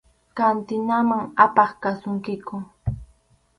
Kantinaman apaq kasunkiku.